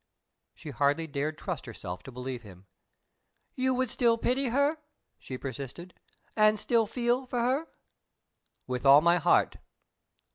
She hardly dared trust herself to believe him. "You would still pity her?" she persisted, "and still feel for her?" "With all my heart."